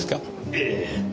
ええ。